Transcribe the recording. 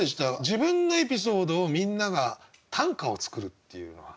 自分のエピソードをみんなが短歌を作るっていうのは。